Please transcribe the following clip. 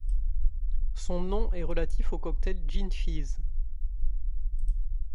Son nom est relatif au cocktail gin fizz.